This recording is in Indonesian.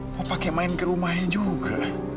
mau pakai main ke rumahnya juga